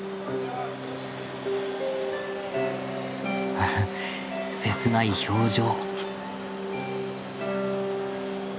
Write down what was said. フフ切ない表情。